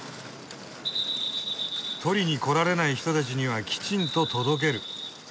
取りに来られない人たちにはきちんと届ける。